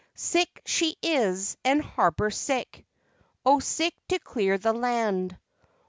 Sick she is and harbour sick O sick to clear the land!